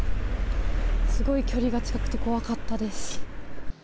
すごい距離が近くて怖かったです。